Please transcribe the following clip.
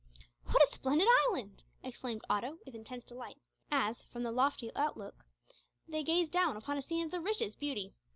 "What a splendid island!" exclaimed Otto, with intense delight, as, from the lofty outlook, they gazed down upon a scene of the richest beauty.